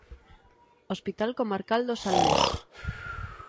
Hospital Comarcal do Salnés.